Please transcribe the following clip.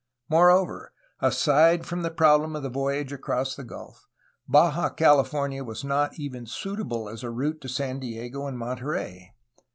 Moreover, aside from the problem of the voyage across the gulf, Baja California was not even suitable as a route to San Diego and Monterey.